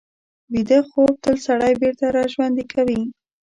ویده خوب تل سړی بېرته راژوندي کوي